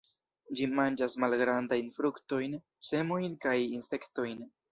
Ĝi manĝas malgrandajn fruktojn, semojn kaj insektojn.